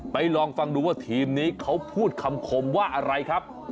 ลองฟังดูว่าทีมนี้เขาพูดคำคมว่าอะไรครับ